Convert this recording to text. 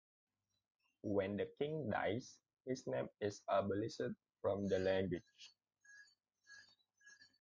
When the king dies, his name is abolished from the language.